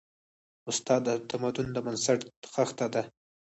استاد د تمدن د بنسټ خښته ده.